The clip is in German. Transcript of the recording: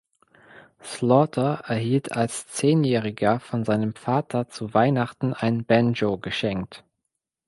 Slaughter erhielt als Zehnjähriger von seinem Vater zu Weihnachten ein Banjo geschenkt.